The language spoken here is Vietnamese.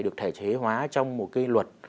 được thể chế hóa trong một cái luật